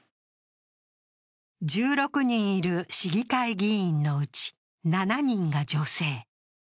１６人いる市議会議員のうち７人が女性。